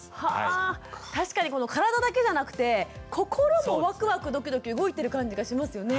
確かに体だけじゃなくて心もワクワクドキドキ動いてる感じがしますよね。